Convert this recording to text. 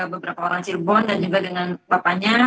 beberapa orang cirebon dan juga dengan bapaknya